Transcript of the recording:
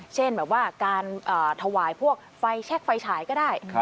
เช่นแบบว่าการถวายพวกไฟแชคไฟฉายก็ได้